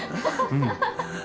うん。